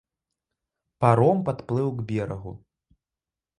Паром падплыў к берагу.